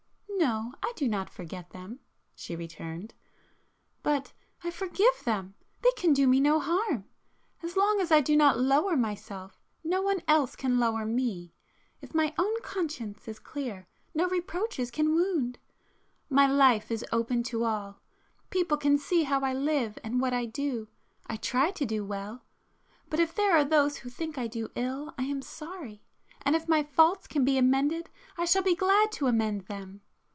"No, I do not forget them,"—she returned,—"But—I forgive them! They can do me no harm. As long as I do not lower myself, no one else can lower me. If my own conscience is clear, no reproaches can wound. My life is open to all,—people can see how I live, and what I do. I try to do well,—but if there are those who think I do ill, I am sorry,—and if my faults can be amended I shall be glad to amend them.